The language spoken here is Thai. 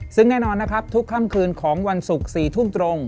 ซึ่งแน่นอนนะครับทุกค่ำคืนของวันศุกร์๔ทุ่มตรง